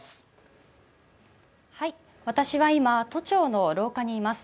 私は今、都庁の廊下にいます。